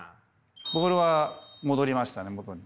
ボールは戻りましたね元に。